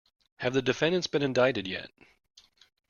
Have the defendants been indicted yet?